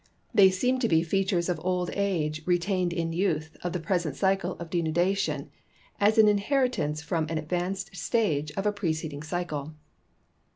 They seem to be features of old age retained in youth of the present cycle of denudation as an in heritance from an advanced stage of a preceding cycle.